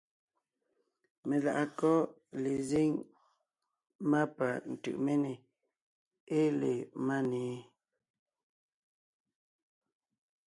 Meláʼakɔ́ lezíŋ má pa Tʉʼméne ée le Máne?